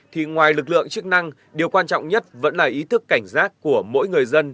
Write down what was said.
thì ngoài lực lượng chức năng điều quan trọng nhất vẫn là ý thức cảnh giác của mỗi người dân